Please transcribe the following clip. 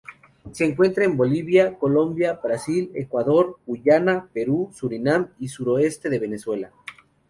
Se encuentra en Bolivia, Colombia, Brasil, Ecuador, Guyana, Perú, Surinam y suroeste de Venezuela.